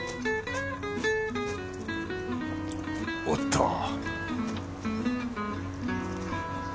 おっと